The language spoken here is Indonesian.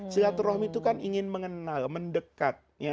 silaturahmi itu kan ingin mengenal mendekat